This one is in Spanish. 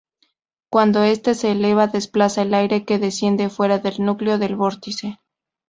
Cuando este se eleva, desplaza el aire que desciende fuera del núcleo del vórtice.